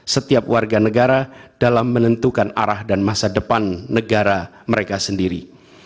setiap warga negara dalam menentukan arah dan masa depan negara mereka sendiri